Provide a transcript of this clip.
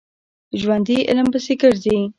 ژوندي علم پسې ګرځي